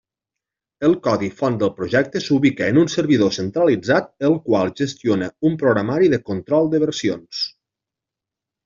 El codi font del projecte s'ubica en un servidor centralitzat, el qual gestiona un programari de control de versions.